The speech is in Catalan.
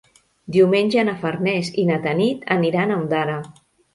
Diumenge na Farners i na Tanit aniran a Ondara.